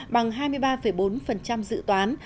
bằng hai mươi ba bốn dự toán